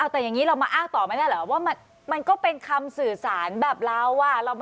แต่อย่างนี้เรามาอ้างต่อไม่ได้เหรอว่ามันก็เป็นคำสื่อสารแบบเรา